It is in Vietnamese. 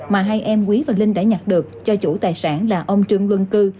mà hai em quý và linh đã nhặt được cho chủ tài sản là ông trương luân cư